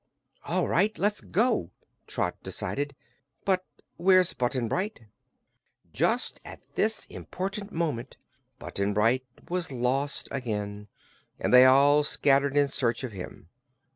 "All right; let's go!" Trot decided. "But where's Button Bright?" Just at this important moment Button Bright was lost again, and they all scattered in search of him.